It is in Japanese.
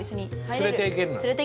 連れていける。